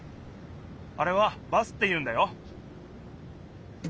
あれはバスっていうんだよ。